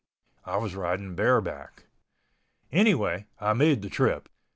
I was riding bareback. Anyway I made the trip.